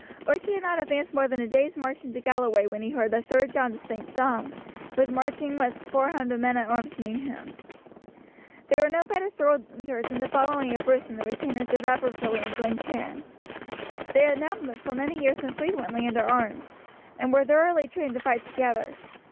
Archie had not advanced more than a day's march into Galloway when he heard that Sir John de St. John was marching with four hundred men at arms to meet him. There were no better soldiers in the following of Bruce than the retainers of Aberfilly and Glen Cairn. They had now for many years been frequently under arms, and were thoroughly trained to fight together.